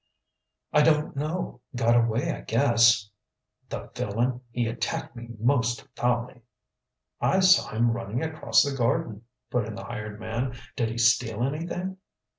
"I don't know. Got away, I guess." "The villain! He attacked me most foully!" "I saw him running across the garden," put in the hired man. "Did he steal anything?"